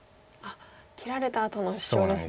切られたあとのシチョウですね。